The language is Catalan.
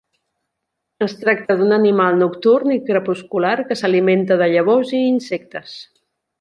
Es tracta d'un animal nocturn i crepuscular que s'alimenta de llavors i insectes.